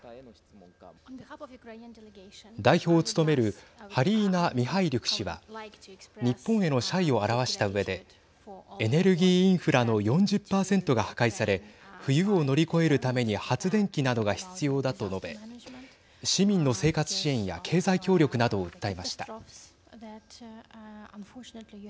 代表を務めるハリーナ・ミハイリュク氏は日本への謝意を表したうえでエネルギーインフラの４０％が破壊され冬を乗り越えるために発電機などが必要だと述べ市民の生活支援や経済協力などを訴えました。